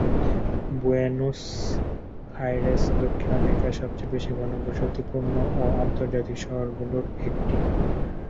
Buenos Aires দক্ষিণ আমেরিকার সবচেয়ে বেশি ঘনবসতিপূর্ণ ও আন্তর্জাতিক শহরগুলির একটি।